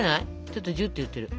ちょっとジュッと言ってる。